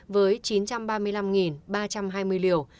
với chín trăm ba mươi năm ba trăm hai mươi liều